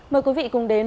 mời quý vị cùng đến